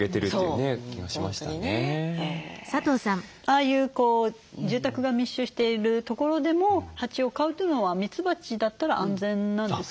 ああいう住宅が密集している所でも蜂を飼うというのはミツバチだったら安全なんですかね？